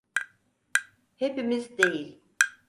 Hepimiz değil.